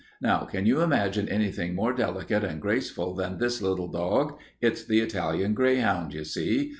Now can you imagine anything more delicate and graceful than this little dog? It's the Italian greyhound, you see.